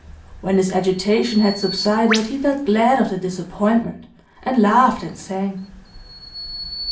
When his agitation had subsided he felt glad of the disappointment, and laughed and sang.